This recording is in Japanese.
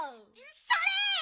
それ！